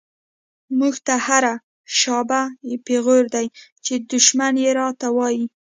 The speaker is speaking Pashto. مونږ ته هر “شابه” پیغور دۍ، چی دشمن یی راته وایی